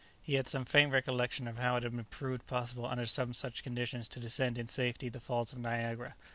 He had some faint recollection of how it had been proved possible under some such conditions to descend in safety the falls of Niagara.